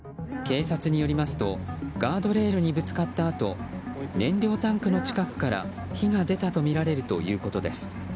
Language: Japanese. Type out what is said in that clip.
警察によりますとガードレールにぶつかったあと燃料タンクの近くから火が出たとみられるということです。